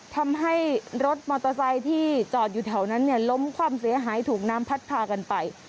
ทำให้รถมอเตอร์ไซค์ที่จอดอยู่แถวนั้นเนี่ยล้มความเสียหายถูกน้ำพัดพากันไป